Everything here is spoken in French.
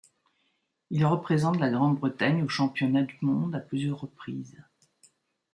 Il représente la Grande-Bretagne aux championnats du monde à plusieurs reprises.